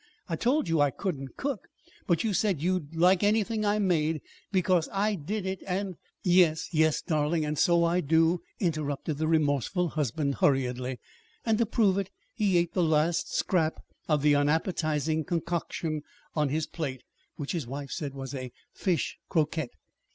I told you I couldn't cook, but you said you'd like anything I made, because I did it, and " "Yes, yes, darling, and so I do," interrupted the remorseful husband, hurriedly. And, to prove it, he ate the last scrap of the unappetizing concoction on his plate, which his wife said was a fish croquette.